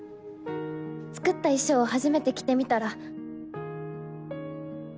作った衣装を初めて着てみたら。